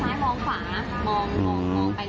เหมือนก็มองซ้ายมองขวามองไปเรื่อย